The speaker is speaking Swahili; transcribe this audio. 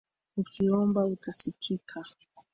Ukiomba utasikika.